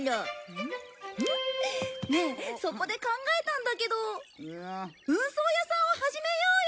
ねえそこで考えたんだけど運送屋さんを始めようよ！